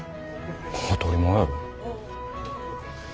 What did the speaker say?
当たり前やろ。